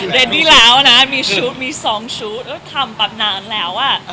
เด็ดดีแล้วนะมีชุดมีสองชุดทำประมาณนานแล้วอ่ะ